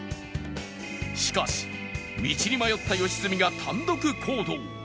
しかし道に迷った良純が単独行動